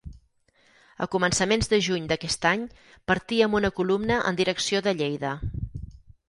A començaments de juny d'aquest any partí amb una columna en direcció de Lleida.